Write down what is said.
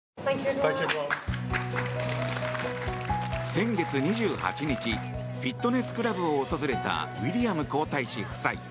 先月２８日フィットネスクラブを訪れたウィリアム皇太子夫妻。